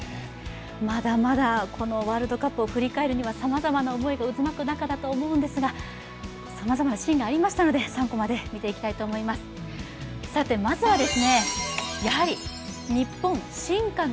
まだまだワールドカップを振り返るにはさまざまな思いが渦巻く中だとは思うんですがさまざまなシーンがありましたので３コマで見ていきたいと思います。